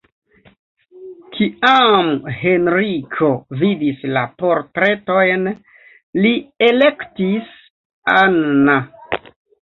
Kiam Henriko vidis la portretojn, li elektis Anna.